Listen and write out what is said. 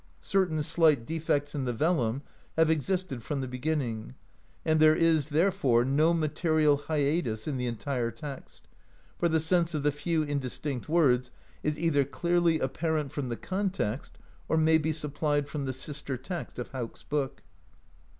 Certain slight defects in the vellum have existed from the beginning, and there is, therefore, no material hiatus in the entire text, for the sense of the few indistinct words is either clearly apparent from the context, or may be supplied from the sister text of Hauk's Book.